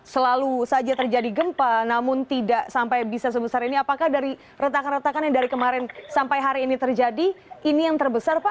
selalu saja terjadi gempa namun tidak sampai bisa sebesar ini apakah dari retakan retakan yang dari kemarin sampai hari ini terjadi ini yang terbesar pak